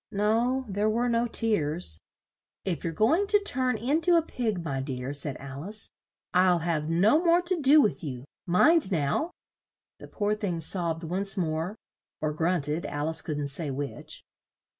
No, there were no tears. "If you're go ing to turn in to a pig, my dear," said Al ice, "I'll have no more to do with you. Mind now!" The poor thing sobbed once more (or grunted, Al ice couldn't say which).